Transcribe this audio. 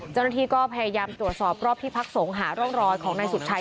เจ้าหน้าที่ก็พยายามตรวจสอบรอบที่พักสงฆ์หาร่องรอยของนายสุดชัย